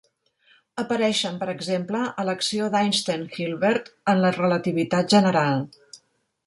Apareixen, per exemple, a l'acció d'Einstein-Hilbert en la relativitat general.